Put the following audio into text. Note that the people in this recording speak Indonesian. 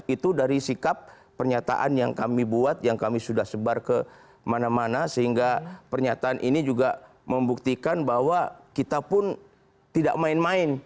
itu dari sikap pernyataan yang kami buat yang kami sudah sebar kemana mana sehingga pernyataan ini juga membuktikan bahwa kita pun tidak main main